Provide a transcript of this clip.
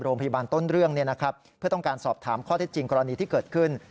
โรงพยาบาลต้นเรื่องเพื่อต้องการสอบถามข้อเท็จจริงกรณีที่เกิดขึ้น